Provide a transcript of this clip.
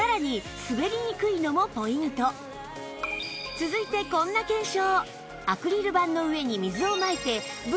続いてこんな検証